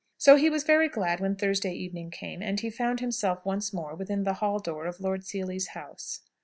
So he was very glad when Thursday evening came, and he found himself once more within the hall door of Lord Seely's house.